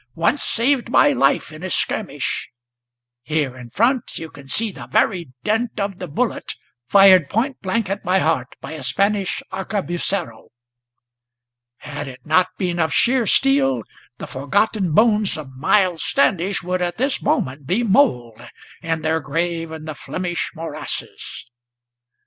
once saved my life in a skirmish; Here in front you can see the very dint of the bullet Fired point blank at my heart by a Spanish arcabucero. Had it not been of sheer steel, the forgotten bones of Miles Standish Would at this moment be mould, in their grave in the Flemish morasses."